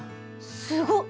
すごっ！